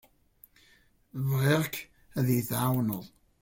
Bɣiɣ-k ad iyi-tɛawneḍ.